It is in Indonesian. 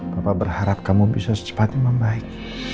bapak berharap kamu bisa secepatnya membaik